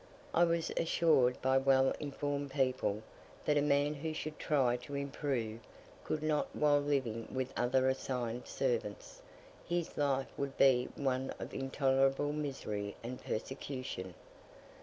I was assured by well informed people, that a man who should try to improve, could not while living with other assigned servants; his life would be one of intolerable misery and persecution.